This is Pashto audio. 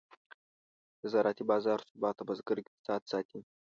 د زراعتي بازار ثبات د بزګر اقتصاد ساتي.